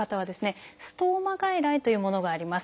「ストーマ外来」というものがあります。